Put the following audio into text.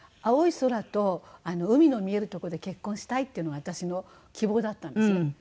青い空と海の見えるとこで結婚したいっていうのが私の希望だったんですね。